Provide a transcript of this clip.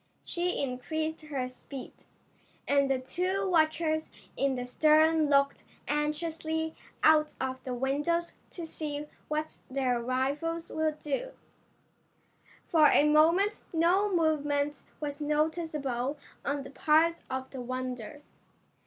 She increased her speed, and the two watchers in the stern looked anxiously out of the windows to see what their rivals would do. For a moment no movement was noticeable on the part of the Wonder.